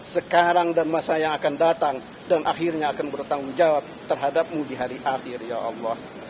sekarang dan masa yang akan datang dan akhirnya akan bertanggung jawab terhadapmu di hari akhir ya allah